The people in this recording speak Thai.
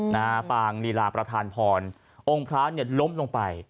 นาปางหลีหลากประธานพรองค์พระล้มลงไป